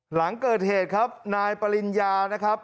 หลังเกิดเหตุครับนายปริญญานะครับ